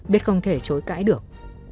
biết không thể chối cãi được